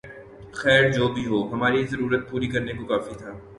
خیر جو بھی ہو ، ہماری ضرورت پوری کرنے کو کافی تھا